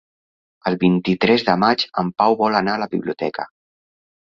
El vint-i-tres de maig en Pau vol anar a la biblioteca.